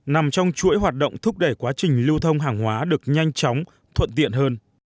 nằm trong chuỗi hoạt động thúc đẩy quá trình lưu thông hàng hóa được nhanh chóng thuận tiện hơn